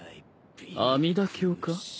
阿弥陀経か？